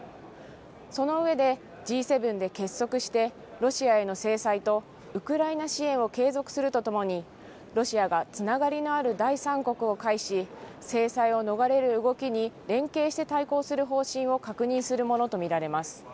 そのうえでＧ７で結束してロシアへの制裁とウクライナ支援を継続するとともにロシアがつながりのある第三国を介し制裁を逃れる動きに連携して対抗する方針を確認するものと見られます。